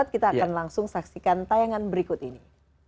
kita akan langsung saksikan tayangan berikut ini